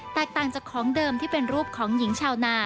แตกต่างจากของเดิมที่เป็นรูปของหญิงชาวนา